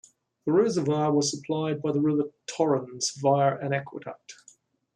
The reservoir was supplied by the River Torrens via an aqueduct.